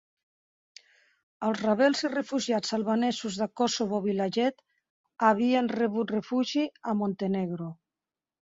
Els rebels i refugiats albanesos de Kosovo Vilayet havien rebut refugi a Montenegro